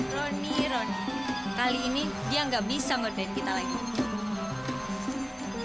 roni roni kali ini dia gak bisa ngedate kita lagi